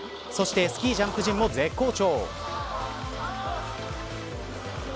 そしてスキージャンプ陣も絶好調。